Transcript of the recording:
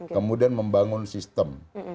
kemudian membangun sistem